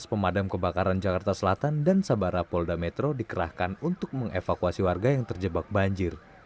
pemadam kebakaran jakarta selatan dan sabara polda metro dikerahkan untuk mengevakuasi warga yang terjebak banjir